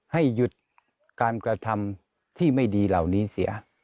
ให้หยุดการกระทำที่ไม่ดีเหล่านี้เสีย